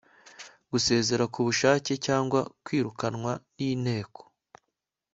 gusezera ku bushake cyangwa kwirukanwa n inteko